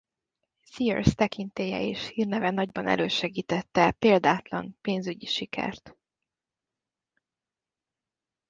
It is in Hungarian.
Thiers tekintélye és hírneve nagyban elősegítette e példátlan pénzügyi sikert.